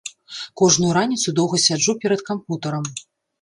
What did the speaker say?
Кожную раніцу доўга сяджу перад кампутарам.